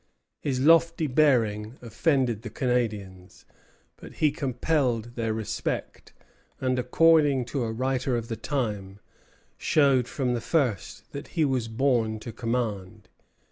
His lofty bearing offended the Canadians; but he compelled their respect, and, according to a writer of the time, showed from the first that he was born to command.